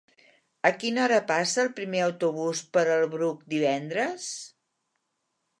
A quina hora passa el primer autobús per el Bruc divendres?